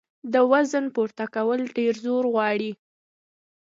د وزن پورته کول ډېر زور غواړي.